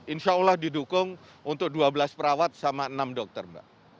insya allah didukung untuk dua belas perawat sama enam dokter mbak